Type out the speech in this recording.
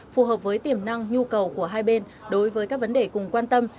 phù hợp với tiềm năng nhu cầu của hai bên đối với các vấn đề cùng quan tâm